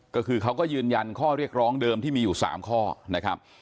ก็คือเขาก็ยืนยันข้อเรียกร้องเดิมที่มีอยู่๓ข้อนะครับ